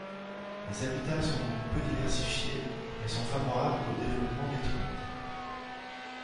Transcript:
Les habitats sont donc peu diversifiés, mais sont favorables au développement des truites.